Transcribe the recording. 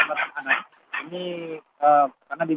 karena dengan pecah dan mendang